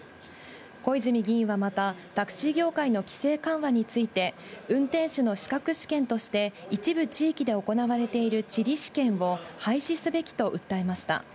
小泉議員はまた、タクシー業界の規制緩和について、運転手の資格試験として一部地域で行われている地理試験を廃止すべきと訴えました。